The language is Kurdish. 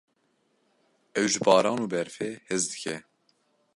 Ew ji baran û berfê hez dike.